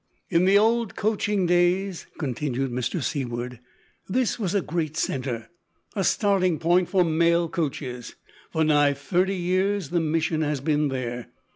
"In the old coaching days," continued Mr Seaward, "this was a great centre, a starting point for mail coaches. For nigh thirty years the mission has been there.